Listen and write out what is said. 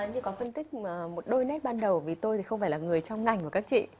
như con phân tích một đôi nét ban đầu vì tôi thì không phải là người trong ngành của các chị